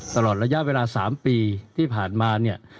ตลอดระยะเวลา๓ปีที่ผ่านมา